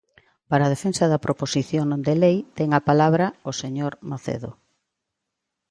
Para a defensa da proposición non de lei ten a palabra o señor Macedo.